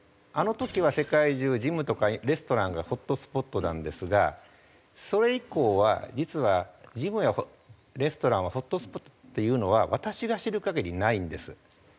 あの時は世界中ジムとかレストランがホットスポットなんですがそれ以降は実はジムやレストランはホットスポットっていうのは私が知る限りないんです。